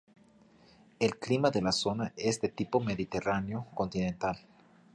El clima de la zona es de tipo mediterráneo continental.